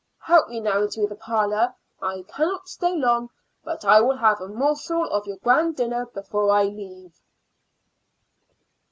Help me now into the parlor. I cannot stay long, but I will have a morsel of your grand dinner before I leave."